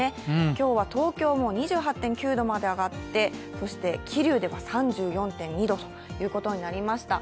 今日は東京も２８．９度まで上がって、そして桐生では３４．２度ということになりました。